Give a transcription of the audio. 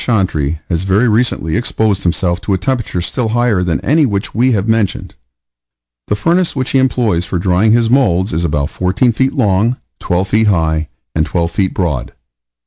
Chantrey, has very recently exposed himself to a temperature still higher than any which we have mentioned. The furnace which he employs for drying his moulds is about 14 feet long, 12 feet high, and 12 feet broad.